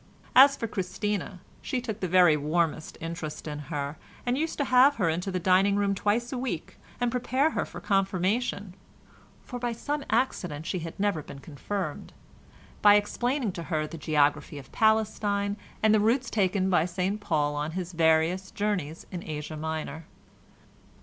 As for Christina she took the very warmest interest in her, and used to have her into the dining room twice a week, and prepare her for confirmation (for by some accident she had never been confirmed) by explaining to her the geography of Palestine and the routes taken by St Paul on his various journeys in Asia Minor.